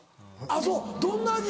あっそうどんな味